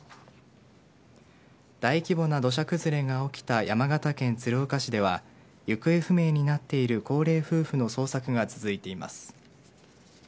大規模な土砂崩れが起きた山形県鶴岡市では行方不明になっている高齢夫婦の捜索が続いています。